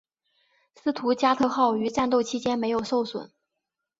斯图加特号于战斗期间没有受损。